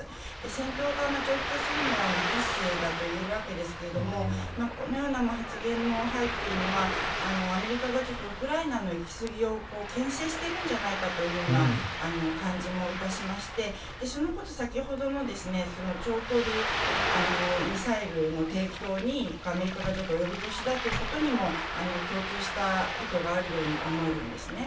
戦闘が長期化するのは必至だといえるわけですがこのような発言の背景にはアメリカがウクライナの行き過ぎをけん制しているんじゃないかというような感じもいたしまして先ほどの長距離ミサイルの提供にアメリカが及び腰だということにも共通した意図があるように思えるんですね。